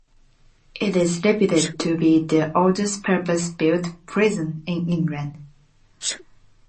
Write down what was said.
It is reputed to be the oldest purpose-built prison in England.